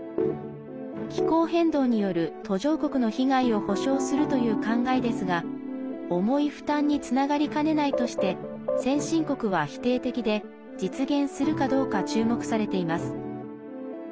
気候変動による途上国の被害を補償するという考えですが重い負担につながりかねないとして先進国は否定的で、実現するかどうか注目されています。